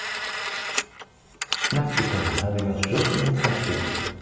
mexico having a traditional festival.